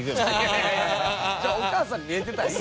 じゃあお母さんに見えてたんや。